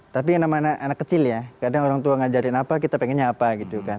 tapi yang namanya anak kecil ya kadang orang tua ngajarin apa kita pengennya apa gitu kan